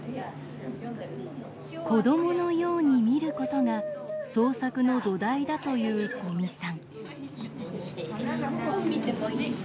子どものように見ることが創作の土台だという五味さん。